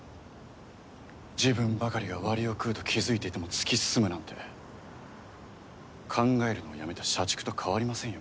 自分ばかりが割を食うと気付いていても突き進むなんて考えるのをやめた社畜と変わりませんよ。